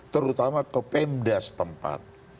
terutama ke pemdas tempat